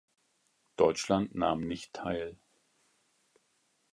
Deutschland nahm nicht teil.